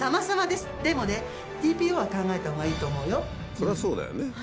そりゃあそうだよね。